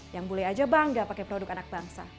yang boleh aja bangga pakai produk anak bangsa